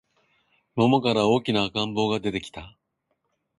桃から大きな赤ん坊が出てきた